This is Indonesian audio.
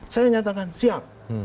saya nyatakan siap